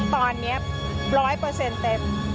ตอนนี้ร้อยเปอร์เซ็นต์เต็ม